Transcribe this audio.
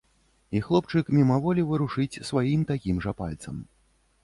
І хлопчык мімаволі варушыць сваім такім жа пальцам.